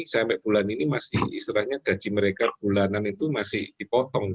sampai bulan ini masih istilahnya gaji mereka bulanan itu masih dipotong